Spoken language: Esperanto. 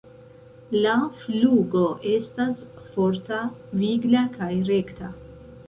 La flugo estas forta, vigla kaj rekta.